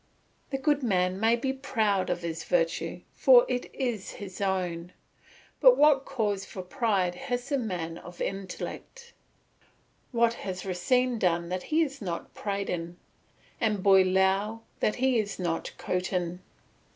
The good man may be proud of his virtue for it is his own, but what cause for pride has the man of intellect? What has Racine done that he is not Pradon, and Boileau that he is not Cotin?